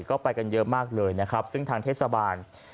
ก็ไปกันเยอะมากเลยนะครับซึ่งทางเทศบาล